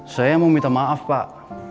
saya mau minta maaf pak